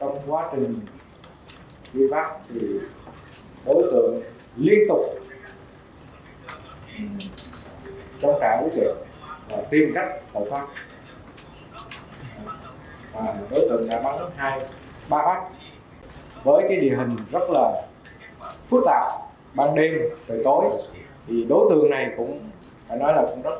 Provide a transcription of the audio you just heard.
từ đó công an tp hcm phối hợp với lực lượng nghiệp vụ của bộ công an tiến hành xác minh